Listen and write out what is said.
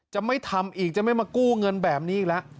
จะไม่ทำอีกจะไม่มากู้เงินแบบนี้อีกแล้ว